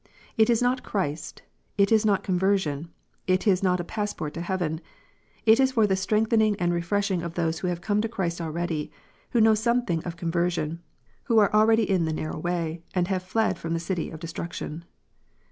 It is not Christ \ it is not conversion ; it is not a passport to heaven. It is for the strengthening and refreshing of those who have come to Christ already, who know something of conversion, who are already in the narrow way, and have fled from the city of destruction.